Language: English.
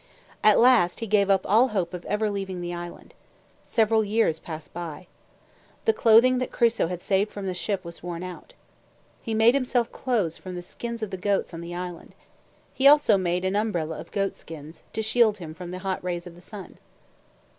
At last he gave up all hope of ever leaving the island. Several years passed by. The clothing that Crusoe had saved from the ship was worn out. He made himself clothes from the skins of the goats on the island. He made also an umbrella of goat skins, to shield him from the hot rays of the sun.